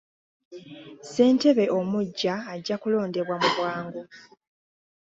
Ssentebe omuggya ajja kulondebwa mu bwangu.